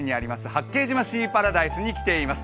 八景島シーパラダイスに来ています。